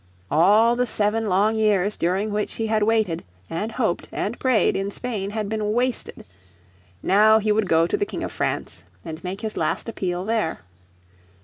All the seven long years during which he had waited, and hoped, and prayed, in Spain had been wasted. Now he would go to the King of France, and make his last appeal there.